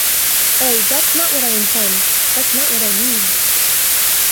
Oh, that’s not what I intend — that’s not what I mean!